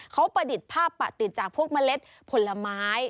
เขาประดิษฐ์ภาพปะติดจากพวกเมล็ดผลไม้